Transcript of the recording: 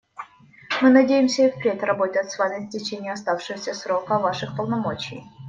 Мы надеемся и впредь работать с Вами в течение оставшегося срока Ваших полномочий.